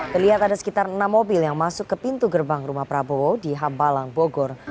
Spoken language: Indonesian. terlihat ada sekitar enam mobil yang masuk ke pintu gerbang rumah prabowo di hambalang bogor